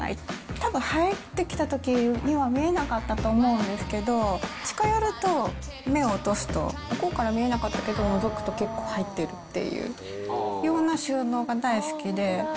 たぶん入ってきたときには見えなかったと思うんですけど、近寄ると、目を落とすと、向こうから見えなかったけど、のぞくと結構入っているっていうような収納が大好きで。